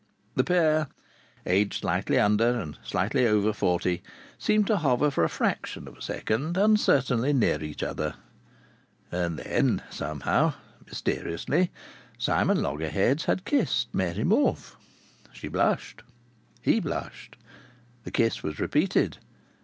The pair, aged slightly under and slightly over forty, seemed to hover for a fraction of a second uncertainly near each other, and then, somehow, mysteriously, Simon Loggerheads had kissed Mary Morfe. She blushed. He blushed. The kiss was repeated.